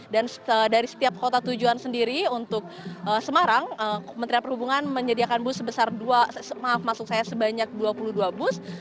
dan dari setiap kuota tujuan sendiri untuk semarang kementerian perhubungan menyediakan bus sebesar dua maaf masuk saya sebanyak dua puluh dua bus